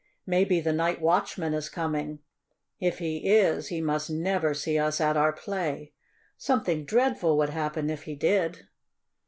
"Maybe the night watchman is coming. If he is, he must never see us at our play. Something dreadful would happen, if he did."